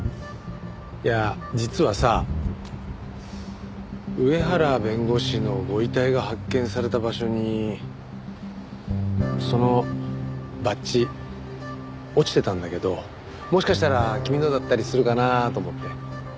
いや実はさ上原弁護士のご遺体が発見された場所にそのバッジ落ちてたんだけどもしかしたら君のだったりするかなと思って。